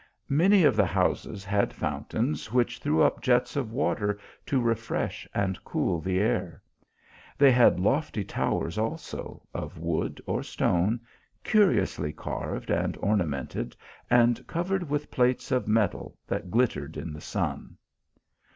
Many of the houses had fountains, which threw up jets of water to refresh and cool the air. They had lofty towers also, of wood or stone, curiously carved and ornamented, and covered with plates of metal that glittered in the sun.